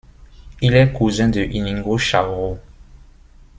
Il est cousin de Iñigo Chaurreau.